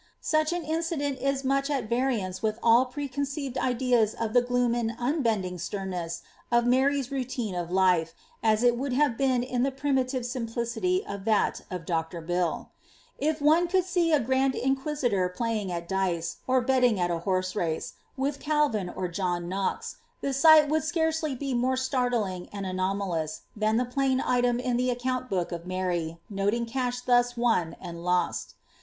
Such an incident is as much at variance with all preconceived ideas of the gloom and unbending sternness of Mary's routine of life,u It would have been of the pn'miiive simplicity of that of Dr. BilL If one could sec a grand inijuisitor playing at dice, or betting at a hor9» iBCc, with Calvin or John Knox, the sight would scarcely be more staru ling and anomalous than the plain item in the aecouni hook of Mary, noting cash thus won and lost.